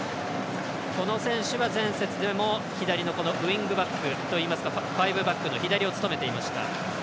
この選手は前節でも左のウイングバックといいますかファイブバックの左を務めていました。